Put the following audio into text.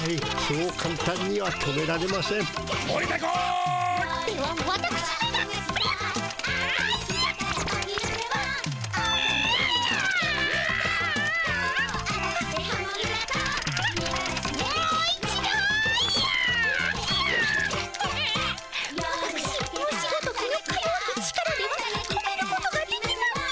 うううわたくし虫ごときのかよわき力では止めることができません。